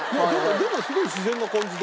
でもすごい自然な感じで。